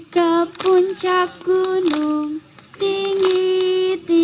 kapten bang tan bagun kata illusions